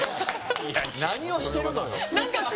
何をしてるのよ。